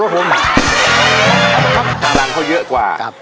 สารางเขาเยอะกว่า